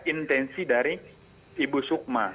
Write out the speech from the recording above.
intensi dari ibu sukma